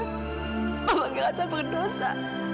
mama ngerasa berdosa